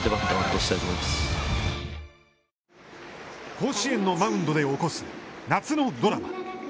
甲子園のマウンドで起こす夏のドラマ。